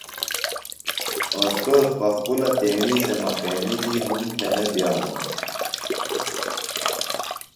اوستوذ پخپُلہ تیݨی سےۡ مقیمی دی ہُنڈ تھےۡ نہ بئانوۡ۔